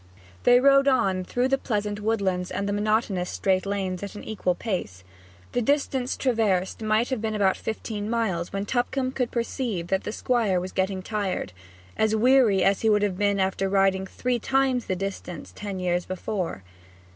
They rode on through the pleasant woodlands and the monotonous straight lanes at an equal pace. The distance traversed might have been about fifteen miles when Tupcombe could perceive that the Squire was getting tired as weary as he would have been after riding three times the distance ten years before.